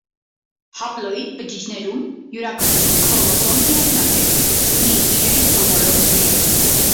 Հապլոիդ բջիջներում յուրաքանչյուր քրոմոսոմ միայնակ է, չունի իրեն հոմոլոգ զույգը։